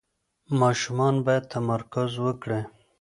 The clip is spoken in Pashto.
ماشومان باید تمرکز وکړي.